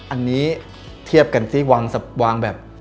อันนี้เทียบกันที่วางแบบ